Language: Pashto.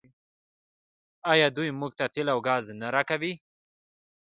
آیا دوی موږ ته تیل او ګاز نه راکوي؟